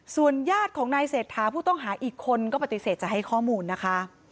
ส่วนญาติของนายเศรษฐาผู้ต้องหาอีกคนก็ปฏิเสธจะให้ข้อมูลนะคะ